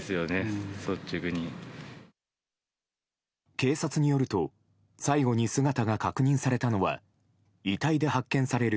警察によると最後に姿が確認されたのは遺体で発見される